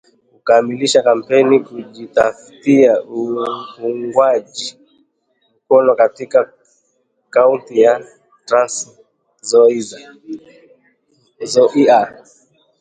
Kukamilisha kampeni za kujitaftia uungwaji mkono katika Kaunti ya Trans Nzoia